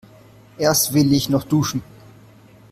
Erst will ich noch duschen.